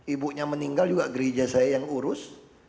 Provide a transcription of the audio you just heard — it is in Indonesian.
ibunya meninggal juga gereja saya yang urus